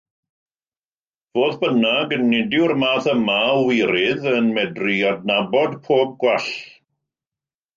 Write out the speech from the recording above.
Fodd bynnag, nid yw'r math yma o wirydd yn medru adnabod pob gwall.